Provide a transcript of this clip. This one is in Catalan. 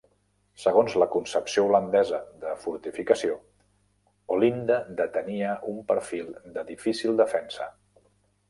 Segons la concepció holandesa de fortificació, Olinda detenia un perfil de difícil defensa.